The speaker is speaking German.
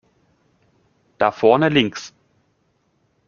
Da vorne links!